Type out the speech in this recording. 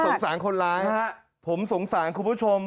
สารคนร้ายฮะผมสงสารคุณผู้ชม